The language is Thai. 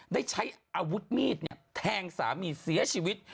ได้ใช้อาวุธมีดแทงสามีเสียชีวิต